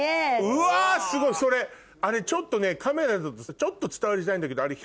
うわすごいそれちょっとねカメラだとちょっと伝わりづらいんだけどあれ